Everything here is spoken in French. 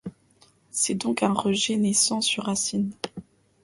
C'est donc un rejet naissant sur racine.